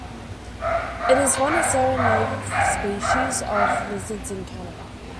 It is one of seven native species of lizards in Canada.